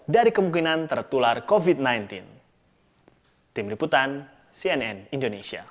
dari kemungkinan tertular covid sembilan belas